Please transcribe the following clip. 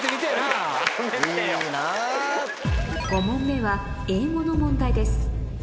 ５問目はの問題です